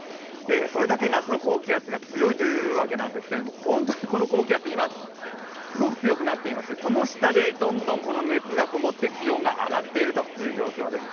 それだけ夏の高気圧が強いということなんですけれども本当にこの高気圧、すごく強くなっていましてその下でどんどん熱がこもって気温が上がっているという状況です。